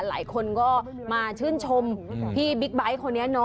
หลายคนก็มาชื่นชมพี่บิ๊กไบท์คนนี้เนาะ